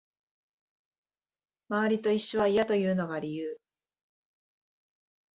周りと一緒は嫌というのが理由